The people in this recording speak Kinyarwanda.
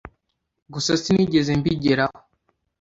gusa sinigeze mbigeraho